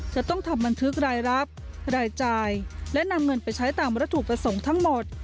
จะต้องทำบันทึกรายรับรายจ่ายและนำเงินไปใช้ตามวัตถุประสงค์ทั้งหมด